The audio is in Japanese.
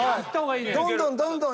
どんどんどんどん。